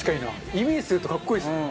イメージすると格好いいですね。